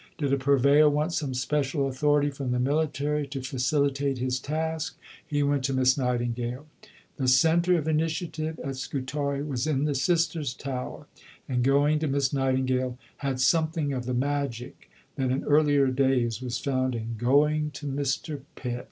Did a purveyor want some special authority from the military to facilitate his task? He went to Miss Nightingale. The centre of initiative at Scutari was in the Sisters' Tower; and going to Miss Nightingale had something of the magic that in earlier days was found in "going to Mr. Pitt."